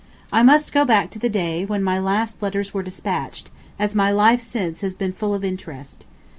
. I must go back to the day when my last letters were despatched, as my life since has been full of interest.